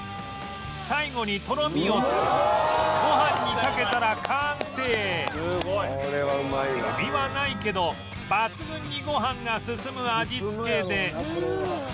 最後にとろみをつけご飯にかけたら完成エビはないけど抜群にご飯がすすむ味付けで